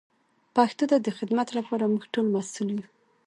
پښتو ته د خدمت لپاره موږ ټول مسئول یو.